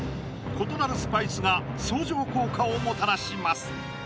異なるスパイスが相乗効果をもたらします